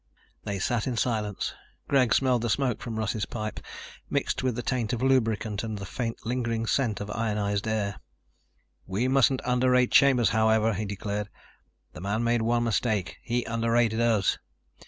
They sat in silence. Greg smelled the smoke from Russ's pipe, mixed with the taint of lubricant and the faint lingering scent of ionized air. "We mustn't underrate Chambers, however," he declared. "The man made one mistake. He underrated us.